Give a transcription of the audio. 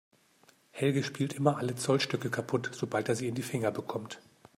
Helge spielt immer alle Zollstöcke kaputt, sobald er sie in die Finger bekommt.